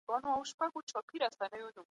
حضرت عمر بن خطاب په دغه خوني کي ناست و.